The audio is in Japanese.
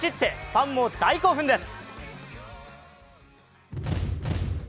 ファンも大興奮です。